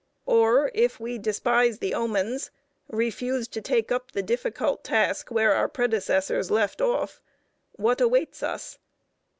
Or if we despise the omens, refuse to take up the difficult task where our predecessors left off, what awaits us?